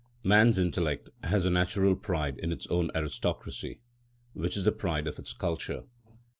Man's intellect has a natural pride in its own aristocracy, which is the pride of its culture.